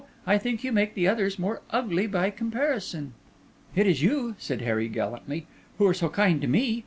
I think you make the others more ugly by comparison." "It is you," said Harry gallantly, "who are so kind to me.